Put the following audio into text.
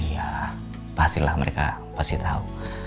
ya pastilah mereka pasti tahu